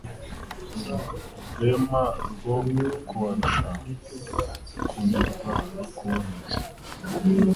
Rwema rwo kubarusha nkundirwa no kuboneza